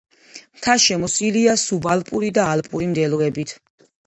მთა შემოსილია სუბალპური და ალპური მდელოებით.